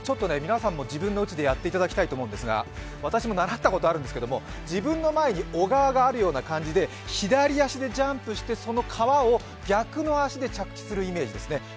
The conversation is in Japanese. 皆さんも自分のうちでやっていただきたいと思うんですが私も習ったことあるんですけど自分の前に小川があるような感じで左足でジャンプして、その川を逆の足で着地するイメージですね。